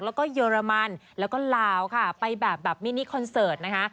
แล้วก็เยอรมันแล้วก็ลาวค่ะไปแบบมินิคอนเสิร์ตนะคะ